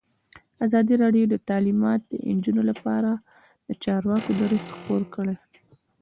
ازادي راډیو د تعلیمات د نجونو لپاره لپاره د چارواکو دریځ خپور کړی.